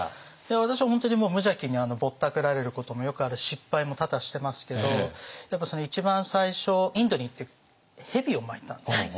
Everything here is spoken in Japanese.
私は本当に無邪気にぼったくられることもよくあるし失敗も多々してますけどやっぱ一番最初インドに行って蛇を巻いたんですね。